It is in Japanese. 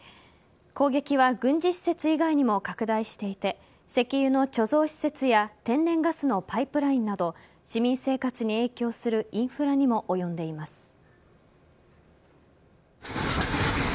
攻撃は軍事施設以外にも拡大していて石油の貯蔵施設や天然ガスのパイプラインなど市民生活に影響するインフラにも及んでいます。